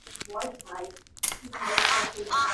Neither Union nor Rensselaer were expected to be very good.